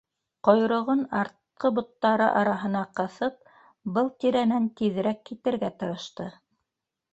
Ҡойроғон артҡы боттары араһына ҡыҫып был тирәнән тиҙерәк китергә тырышты.